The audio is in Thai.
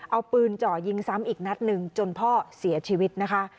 เอาปืนเจาะยิงซ้ำอีกนัดหนึ่งจนพ่อเสียชีวิตนะคะ